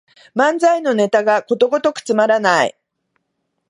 漫才のネタがことごとくつまらない